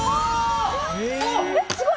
すごい！